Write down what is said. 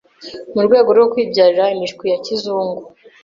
mu rwego rwo kwibyariza imishwi ya kizungu